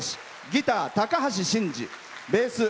ギター、鷹橋伸司。